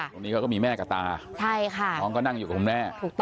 ตรงนี้มีแม่กับตาน้องก็นั่งอยู่กับแม่